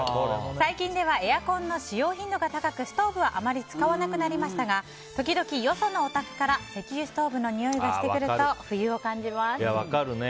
最近ではエアコンの使用頻度が高くストーブはあまり使わなくなりましたが時々、よそのお宅から石油ストーブのにおいがしてくると分かるね。